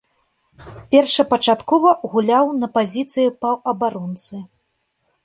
Першапачаткова гуляў на пазіцыі паўабаронцы.